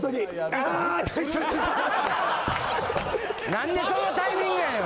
何でそのタイミングやねん。